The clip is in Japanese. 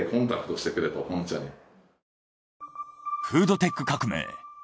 『フードテック革命』。